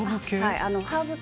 ハーブ系？